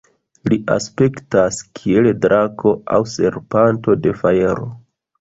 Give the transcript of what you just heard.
Li aspektas kiel drako aŭ serpento de fajro.